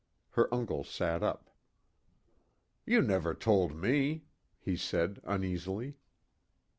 Her uncle sat up. "You never told me," he said uneasily.